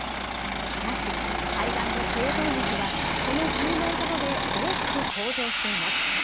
しかし肺がんの生存率はこの１０年ほどで大きく向上しています。